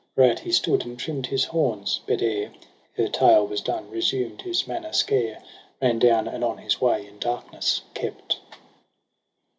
Whereat he stood and trim'd his horns j but ere Her tale was done resumed his manner scare, Ran down, and on his way in darkness kept.